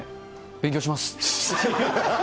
勉強します。